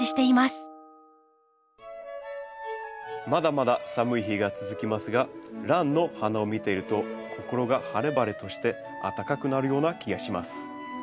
まだまだ寒い日が続きますがランの花を見ていると心が晴れ晴れとしてあったかくなるような気がします。